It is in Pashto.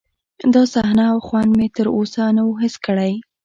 داسې صحنه او خوند مې تر اوسه نه و حس کړی.